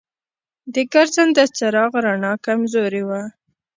د ګرځنده چراغ رڼا کمزورې وه.